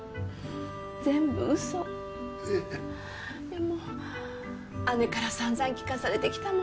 もう姉から散々聞かされてきたもの。